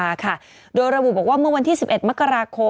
มีสารตั้งต้นเนี่ยคือยาเคเนี่ยใช่ไหมคะ